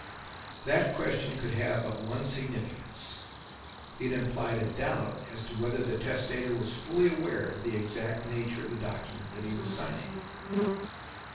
That question could have but one significance. It implied a doubt as to whether the testator was fully aware of the exact nature of the document that he was signing.